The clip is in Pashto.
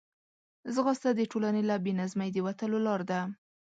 ځغاسته د ټولنې له بې نظمۍ د وتلو لار ده